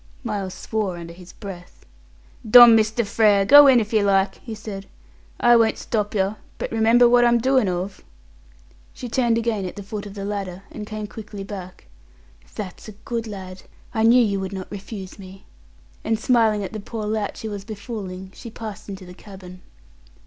Miles swore under his breath. "Dom Mr. Frere! Go in if yer like," he said. "I won't stop yer, but remember what I'm doin' of." She turned again at the foot of the ladder, and came quickly back. "That's a good lad. I knew you would not refuse me"; and smiling at the poor lad she was befooling, she passed into the cabin.